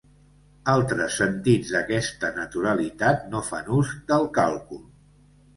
Altres sentits d'aquesta naturalitat no fan ús del càlcul.